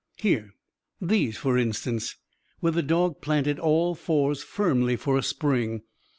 Here, these, for instance; where the dog planted all fours firmly for a spring.